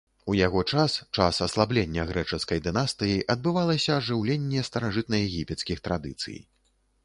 У яго час, час аслаблення грэчаскай дынастыі, адбывалася ажыўленне старажытнаегіпецкіх традыцый.